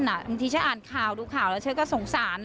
บางทีเช้าอ่านข่าวดูข่าวแล้วเช้าก็สงสาร